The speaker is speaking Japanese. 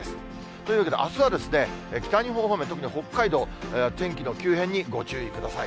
というわけで、あすは北日本方面、特に北海道、天気の急変にご注意ください。